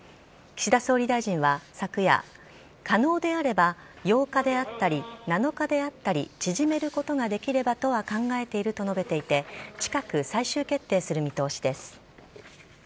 岸田総理大臣は昨夜可能であれば８日であったり７日であったり縮めることができればとは考えていると述べていて近く最終決定する見通しです。